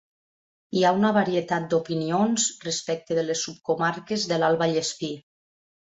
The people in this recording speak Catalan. Hi ha una varietat d'opinions respecte de les subcomarques de l'Alt Vallespir.